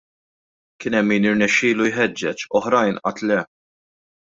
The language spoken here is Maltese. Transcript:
Kien hemm min irnexxielu jħeġġeġ, oħrajn għad le.